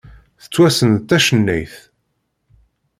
Tettwassen d tacennayt.